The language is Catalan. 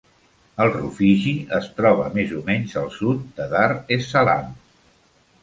El Rufiji es troba més o menys al sud de Dar es Salaam.